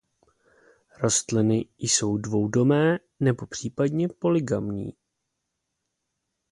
Rostliny jsou dvoudomé nebo případně polygamní.